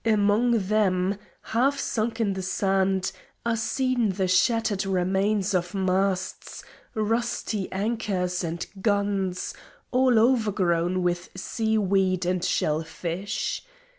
Among them, half sunk in the sand, are seen the shattered remains of masts, rusty anchors and guns, all overgrown with seaweed and shell fish.